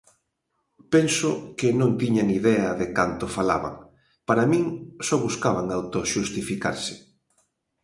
Penso que non tiñan idea de canto falaban, para min só buscaban autoxustificarse.